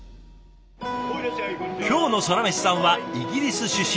今日のソラメシさんはイギリス出身。